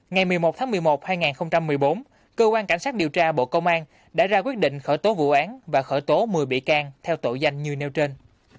ngày một mươi một tháng một mươi một hai nghìn một mươi bốn cơ quan cảnh sát điều tra bộ công an đã ra quyết định khởi tố vụ án và khởi tố một mươi bị can theo tội danh như nêu trên